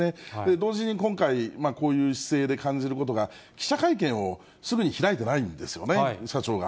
同時に今回、こういう姿勢で感じることが、記者会見をすぐに開いていないんですよね、社長が。